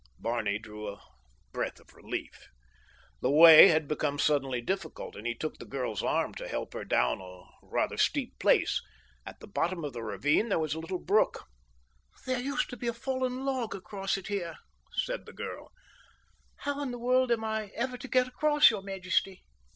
Barney drew a breath of relief. The way had become suddenly difficult and he took the girl's arm to help her down a rather steep place. At the bottom of the ravine there was a little brook. "There used to be a fallen log across it here," said the girl. "How in the world am I ever to get across, your majesty?"